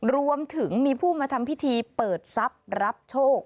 รวมถึงมีผู้มาทำพิธีเปิดทรัพย์รับโชค